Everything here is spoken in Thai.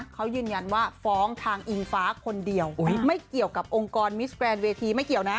เขายืนยันว่าฟ้องทางอิงฟ้าคนเดียวไม่เกี่ยวกับองค์กรมิสแกรนด์เวทีไม่เกี่ยวนะ